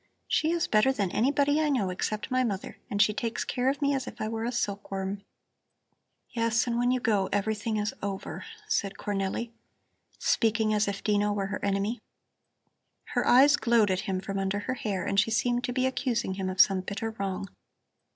She is better than anybody I know except my mother, and she takes care of me as if I were a silkworm." "Yes, and when you go, everything is over," said Cornelli, speaking as if Dino were her enemy. Her eyes glowed at him from under her hair and she seemed to be accusing him of some bitter wrong.